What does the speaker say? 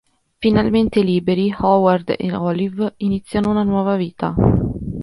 Finalmente liberi, Howard e Olive iniziano una nuova vita.